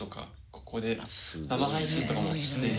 ここで生配信とかもしております。